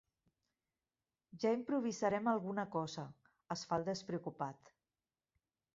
Ja improvisarem alguna cosa —es fa el despreocupat—.